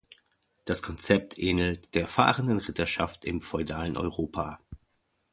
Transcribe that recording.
Das Konzept ähnelt der fahrenden Ritterschaft im feudalen Europa.